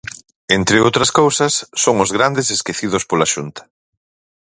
Entre outras cousas, son os grandes esquecidos pola Xunta.